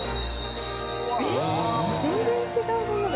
全然違うものだ。